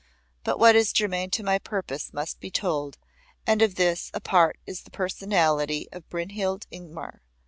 But what is germane to my purpose must be told, and of this a part is the personality of Brynhild Ingmar.